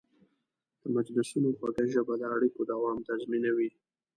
د مجلسونو خوږه ژبه د اړیکو دوام تضمینوي.